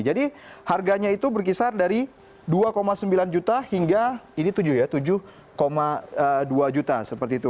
jadi harganya itu berkisar dari dua sembilan juta hingga tujuh dua juta seperti itu